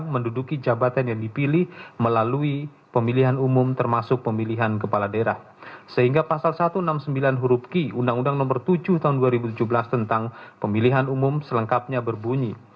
empat mengatakan pasal satu ratus enam puluh sembilan huruf ki undang undang nomor tujuh tahun dua ribu tujuh belas tentang pemilihan umum selengkapnya berbunyi